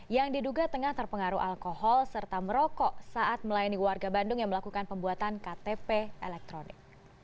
yang diduga tengah terpengaruh alkohol serta merokok saat melayani warga bandung yang melakukan pembuatan ktp elektronik